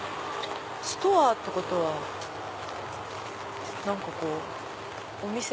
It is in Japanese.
ストアってことは何かお店？